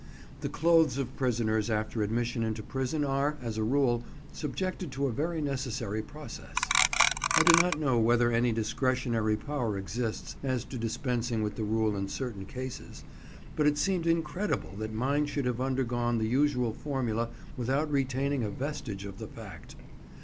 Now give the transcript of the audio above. The clothes of prisoners after admission into prison are, as a rule, subjected to a very necessary process. I do not know whether any discretionary power exists as to dispensing with the rule in certain cases, but it seemed incredible that mine should have undergone the usual formula without retaining a vestige of the fact.